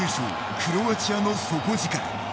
クロアチアの底力。